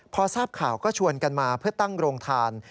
พอทราบข่าวก็ชวนกันมาเพื่อตั้งโรงทาน